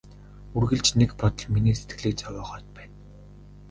Үргэлж нэг бодол миний сэтгэлийг зовоогоод байна.